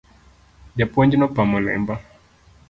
Ja puonj no pamo lemba.